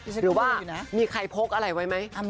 หรือว่ามีใครพกอะไรไว้ไหม